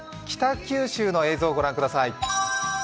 北九州の映像をご覧ください。